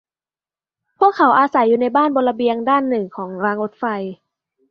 พวกเขาอาศัยอยู่ในบ้านบนระเบียงด้านหนึ่งของรางรถไฟ